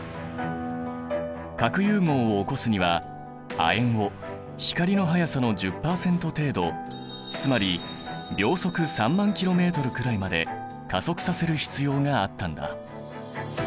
核融合を起こすには亜鉛を光の速さの１０％程度つまり秒速３万ｋｍくらいまで加速させる必要があったんだ。